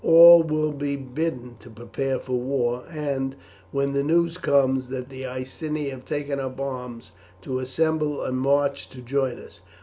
All will be bidden to prepare for war, and, when the news comes that the Iceni have taken up arms, to assemble and march to join us.